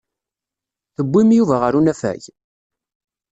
Tewwim Yuba ɣer unafag?